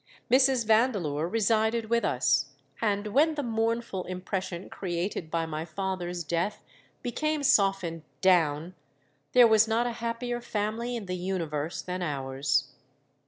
Mrs. Vandeleur resided with us; and, when the mournful impression created by my father's death became softened down, there was not a happier family in the universe than ours.